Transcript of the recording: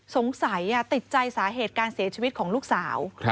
ติดใจสาเหตุการเสียชีวิตของลูกสาว